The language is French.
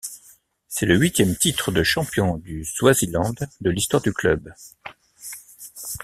C'est le huitième titre de champion du Swaziland de l'histoire du club.